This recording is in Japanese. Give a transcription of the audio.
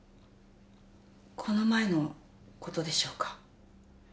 この前のことでしょうか？